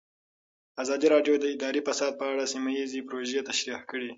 ازادي راډیو د اداري فساد په اړه سیمه ییزې پروژې تشریح کړې.